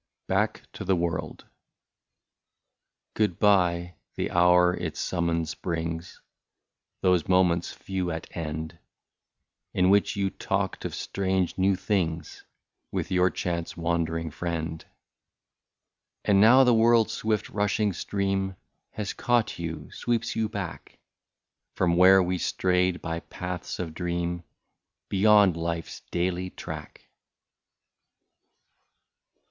i8o BACK TO THE WORLD. Good bye — the hour its summons brings, — Those moments few at end, In which you talked of strange new things With your chance wandering friend ! And now the world's swift rushing stream Has caught you, sweeps you back, From where we strayed by paths of dream Beyond life's daily track.